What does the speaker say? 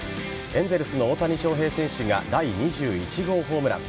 エンゼルスの大谷翔平選手が第２１号ホームラン。